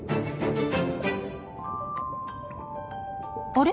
あれ？